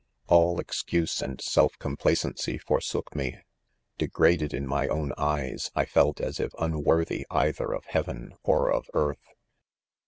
'All excuse and self complacency forsook me | degraded in my own" eyes, I fellas' if un worthy either of heaven or of earth.